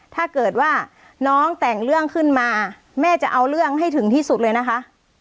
ถ้าเกิดว่าน้องแต่งเรื่องขึ้นมาแม่จะเอาเรื่องให้ถึงที่สุดเลยนะคะ